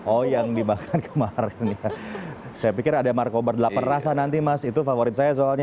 oh yang dimakan kemarin ya saya pikir ada markobar delapan rasa nanti mas itu favorit saya soalnya